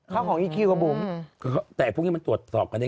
ของอีคิวกับบุ๋มแต่พวกนี้มันตรวจสอบกันได้